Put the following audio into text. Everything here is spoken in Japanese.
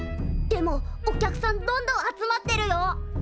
でもお客さんどんどん集まってるよ。